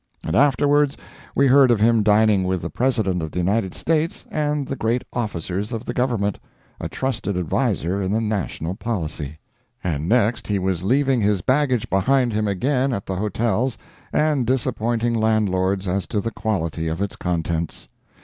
And afterwards we heard of him dining with the President of the United States and the great officers of the Government, a trusted adviser in the national policy. And next he was leaving his baggage behind him again at the hotels and disappointing landlords as to the quality of its contents.